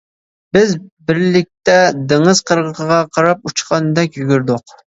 بىز بىرلىكتە دېڭىز قىرغىقىغا قاراپ ئۇچقاندەك يۈگۈردۇق.